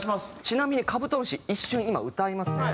ちなみに『カブトムシ』一瞬今歌いますね。